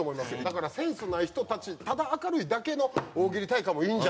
だからセンスない人たちただ明るいだけの大喜利大会もいいんじゃないかなと思って。